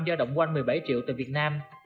do động quanh một mươi bảy triệu từ việt nam